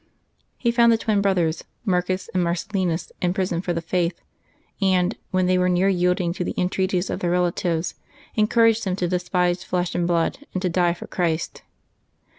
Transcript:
He found the twin brothers Marcus and Marcellinus in prison for the faith, and, when they were near yielding to the entreaties of their relatives, encouraged them to despise flesh and blood, and to die for Christ.